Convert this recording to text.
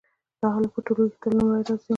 دا هلک په ټولګي کې تل لومړی راځي